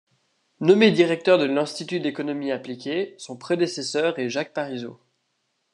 Nommé directeur de l''Institut d'économie appliquée, son prédécesseur est Jacques Parizeau.